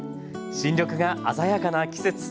新緑が鮮やかな季節。